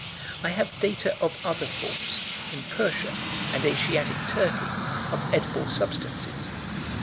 I have data of other falls, in Persia and Asiatic Turkey, of edible substances.